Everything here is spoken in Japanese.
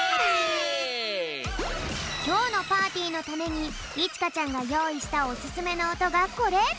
きょうのパーティーのためにいちかちゃんがよういしたオススメのおとがこれ！